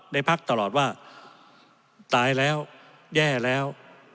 พักตลอดว่าตายแล้วแย่แล้ว